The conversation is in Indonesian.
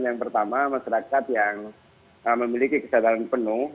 yang pertama masyarakat yang memiliki kesadaran penuh